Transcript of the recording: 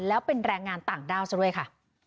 แล้วเป็นแรงงานต่างด้าวซะด้วยค่ะ